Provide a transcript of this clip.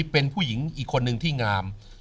เป็นผู้หญิงอีกคนนึงที่งาม